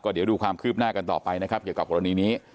เดี๋ยวดูความคืบหน้ากันต่อไปนะครับเกี่ยวกับกรณีนี้